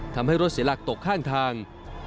ทำให้รถเสียหลักตกข้างทาง